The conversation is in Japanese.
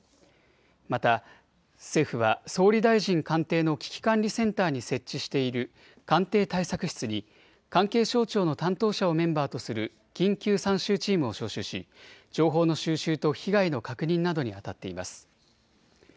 また政府は総理大臣官邸の危機管理センターに設置している官邸対策室に関係省庁の担当者をメンバーとする緊急参集チームを招集し情報の収集と被害の確認などにあたっています。